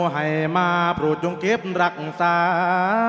ให้มาพูดอย่างเก็บรักษา